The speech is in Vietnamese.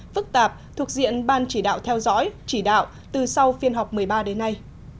phức tạp thuộc diện ban chỉ đạo theo dõi chỉ đạo từ sau phiên họp một mươi ba đến nay